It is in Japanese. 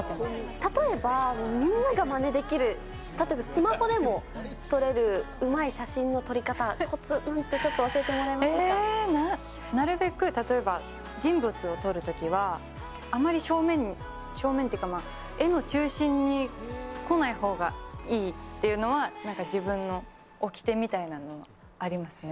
例えば、みんながまねできる、例えば、スマホでも撮れるうまい写真の撮り方、こつなんて教えてもらえまえー、なるべく、例えば人物を撮るときは、あまり正面に、正面っていうか、絵の中心に来ないほうがいいっていうのは、なんか自分のおきてみたいなのはありますね。